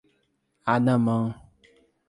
Anamã